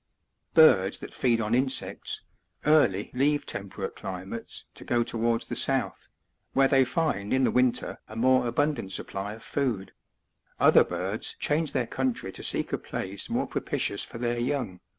12. Birds that feed on insects, early leave temperate climates to go towards the south, where they find in the winter a more abundant supply of food ; other birds change their country to seek a place more propitious for their young, and go sometimes 9.